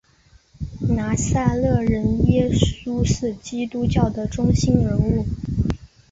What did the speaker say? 拿撒勒人耶稣是基督教的中心人物。